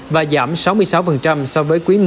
và giảm sáu mươi sáu so với quỹ một